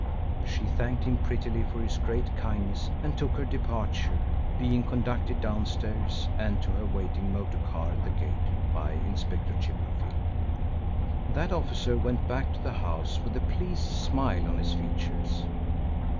She thanked him prettily for his great kindness and took her departure, being conducted downstairs, and to her waiting motor car at the gate, by Inspector Chippenfield. That officer went back to the house with a pleased smile on his features.